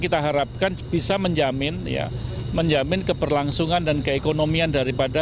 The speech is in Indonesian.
kita harapkan bisa menjamin ya menjamin keberlangsungan dan keekonomian daripada